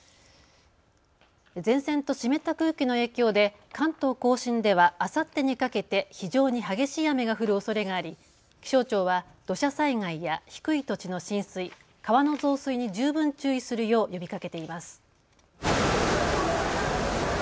前線と湿った空気の影響で関東甲信では、あさってにかけて非常に激しい雨が降るおそれがあり気象庁は土砂災害や低い土地の浸水、川の増水に十分注意するよう呼びかけています。